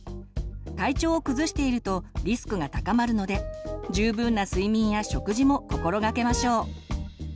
体調を崩しているとリスクが高まるので十分な睡眠や食事も心がけましょう。